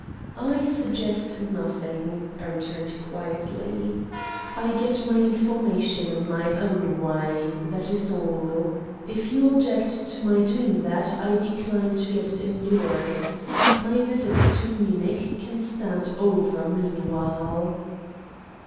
"I suggest nothing," I returned quietly. "I get my information in my own way, that is all. If you object to my doing that, I decline to get it in yours. My visit to Munich can stand over meanwhile."